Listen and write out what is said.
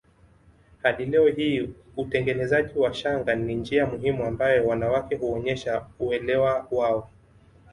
Hadi leo hii utengenezaji wa shanga ni njia muhimu ambayo wanawake huonyesha uelewa wao